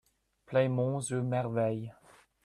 Play Monts Et Merveilles.